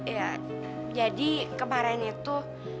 ya jadi kemarin itu